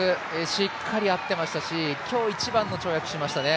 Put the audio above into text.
しっかり合ってましたし今日一番の跳躍しましたね。